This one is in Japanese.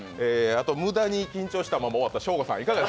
あと、無駄に緊張したまま終わったショーゴさん。